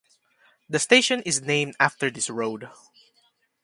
The station is named after this road.